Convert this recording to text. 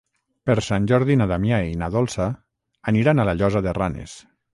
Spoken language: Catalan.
Per Sant Jordi na Damià i na Dolça aniran a la Llosa de Ranes.